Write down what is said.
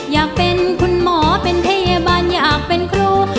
อยากเป็นคุณหมอเป็นพยาบาลอยากเป็นครู